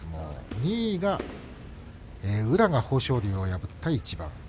２位が宇良が豊昇龍を破った一番。